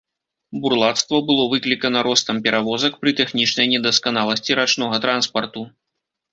Бурлацтва было выклікана ростам перавозак пры тэхнічнай недасканаласці рачнога транспарту.